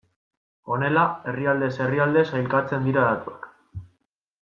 Honela herrialdez herrialde sailkatzen dira datuak.